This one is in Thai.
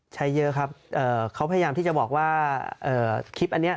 ใช้เยอะครับเขาพยายามที่จะบอกว่าคลิปอันนี้